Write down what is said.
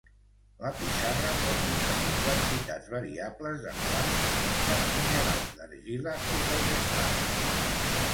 La pissarra pot contenir quantitats variables de quars, mica, minerals d'argila i feldespats.